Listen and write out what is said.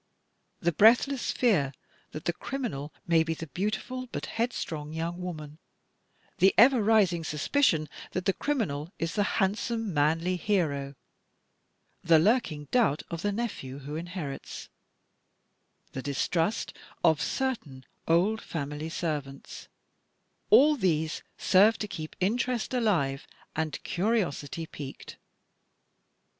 The breathless fear that the criminal may be the beautiful but headstrong young woman; the ever rising suspicion that the criminal is the handsome, manly hero; the lurking doubt of the nephew who inherits; the distrust of certain old family servants — all these serve to keep interest alive and curiosity piqued.